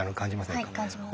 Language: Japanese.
はい感じます。